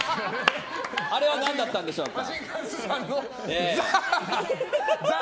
あれは何だったんでしょうか。